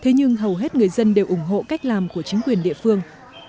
thế nhưng hầu hết người dân đều ủng hộ cách làm của chính quyền địa phương